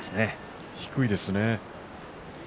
低いです。